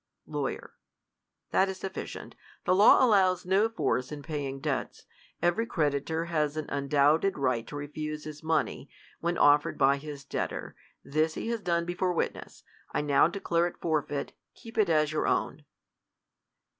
' Laiu. That is sufficient. The low allows no force in paying debts. Every creditor has an undoubted right to refuse his money, when offered by his debtor.. This he has done before witness. I now declare it forfeit. Keep it as your own.